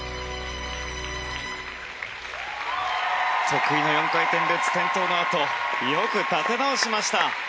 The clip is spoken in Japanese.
得意の４回転ルッツ転倒のあとよく立て直しました。